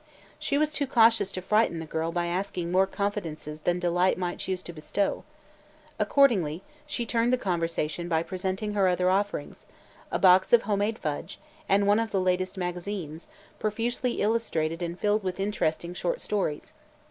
She was too cautious to frighten the girl by asking more confidences than Delight might choose to bestow. Accordingly, she turned the conversation by presenting her other offerings – a box of homemade fudge, and one of the latest magazines, profusely illustrated and filled with interesting short stories.